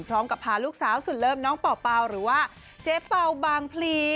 พร้อมกับพารุกสาวสุดเลิฟน้องเป๋าเป๋าหรือว่าเจฟเป๋าบางผลี